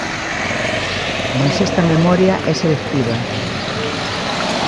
Mais esta memoria é selectiva.